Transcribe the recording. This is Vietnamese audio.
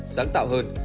giáng tạo hơn